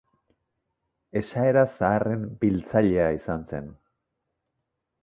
Esaera zaharren biltzailea izan zen.